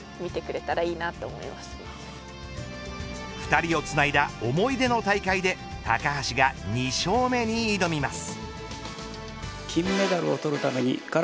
２人をつないだ思い出の大会で高橋が２勝目に挑みます。